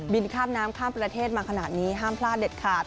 ข้ามน้ำข้ามประเทศมาขนาดนี้ห้ามพลาดเด็ดขาด